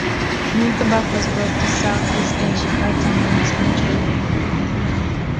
Murtabak was brought to Southeast Asia by Tamil Muslim trader.